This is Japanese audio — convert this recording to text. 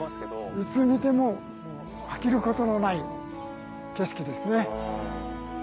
いつ見ても飽きることのない景色ですね。